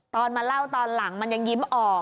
ตอนมาเล่าตอนหลังมันยังยิ้มออก